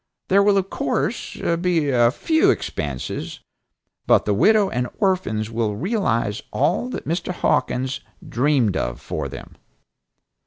There will of course be a few expenses, but the widow and orphans will realize all that Mr. Hawkins, dreamed of for them."